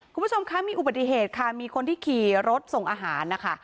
คุณผู้ชมคะมีอุบัติเหตุค่ะมีคนที่ขี่รถส่งอาหารนะคะ